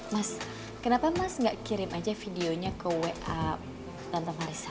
mas kenapa mas nggak kirim aja videonya ke wa tante marisa